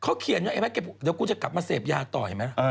เขาเขียนเดี๋ยวจะกลับมาเสพยาต่อเห็นไหม